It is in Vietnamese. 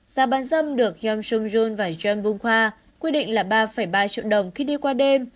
giá bán dâm được hyun sung joon và jeon bung hwa quy định là ba ba triệu đồng khi đi qua đêm